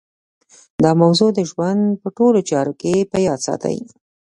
دا موضوع د ژوند په ټولو چارو کې په یاد ساتئ